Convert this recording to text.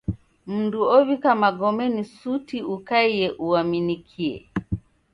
Mndu ow'ika magome ni suti ukaie uaminikie.